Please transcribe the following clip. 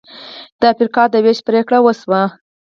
د افریقا د وېش پرېکړه وشوه.